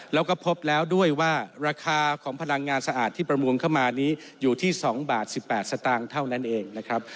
แล้วก็พบแล้วด้วยว่าราคาของพลังงานสะอาดที่ประมูลเข้ามานี้อยู่ที่๒บาท๑๘สตางค์เท่านั้นเองนะครับ